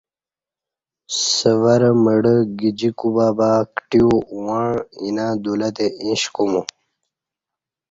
سور مڑہ گجی کوبہ با کٹیو اوݩع اینا دولہ تے ایش کومو